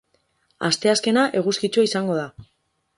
Asteazkena eguzkitsua izango da.